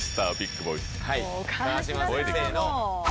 川島先生の。